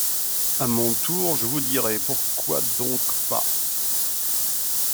À mon tour, je vous dirai : Pourquoi donc pas ?